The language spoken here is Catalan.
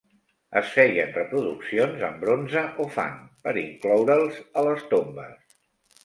Es feien reproduccions en bronze o fang per incloure'ls a les tombes.